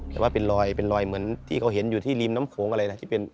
แต่ว่าเป็นรอยเหมือนที่เขาเห็นอยู่ที่ริมน้ำโขงอะไรนะ